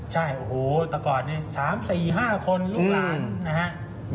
ใช่โอ้โหแต่ก่อนเนี่ย๓๔๕คนลูกหลานนะฮะ